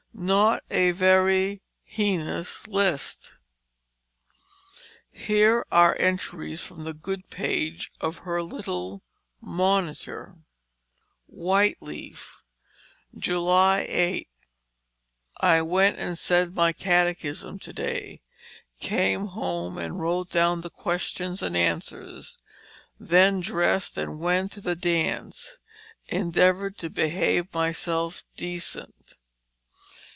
Not a very heinous list. Here are entries from the good page of her little "Monitor": WHITE LEAF. "July 8. I went and said my Catechism to day. Came home and wrote down the questions and answers, then dressed and went to the dance, endeavoured to behave myself decent.